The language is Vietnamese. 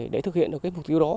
để thực hiện được mục tiêu đó